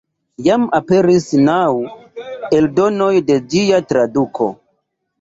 Jam aperis naŭ eldonoj de ĝia traduko.